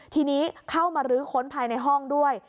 ทีนี้เข้ามาลื้อค้นภายในห้องด้วย